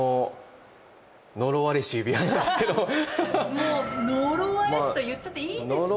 もう「呪われし」と言っちゃっていいですかね。